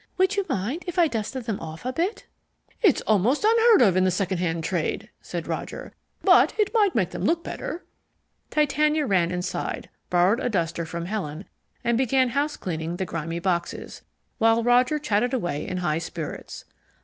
"Would you mind if I dusted them off a bit?" "It's almost unheard of in the second hand trade," said Roger; "but it might make them look better." Titania ran inside, borrowed a duster from Helen, and began housecleaning the grimy boxes, while Roger chatted away in high spirits.